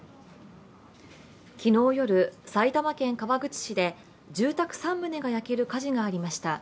昨日夜、埼玉県川口市で住宅３棟が焼ける火事がありました。